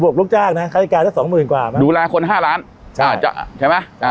บวกลูกจ้างนะฆาติการก็สองหมื่นกว่าดูแลคนห้าร้านใช่ใช่ไหมอ่า